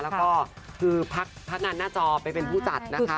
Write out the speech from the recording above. แล้วก็คือพักงานหน้าจอไปเป็นผู้จัดนะคะ